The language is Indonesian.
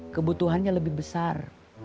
kebutuhannya lebih besar